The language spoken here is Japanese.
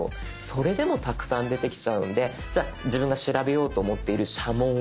それでもたくさん出てきちゃうんでじゃあ自分が調べようと思っている「社紋」を入れようとか。